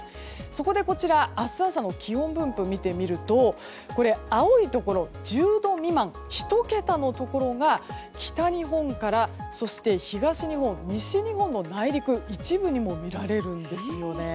そこで明日朝の気温分布を見てみると青いところ、１０度未満１桁のところが北日本から東日本西日本の内陸の一部にも見られるんですよね。